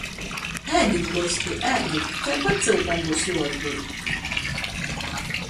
Ēdit gosti, ēdit, taipat cyukom byus juoatdūd!